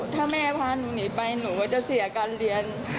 ถ้าแม่พาหนูหนีไปหนูก็จะเสียการเรียน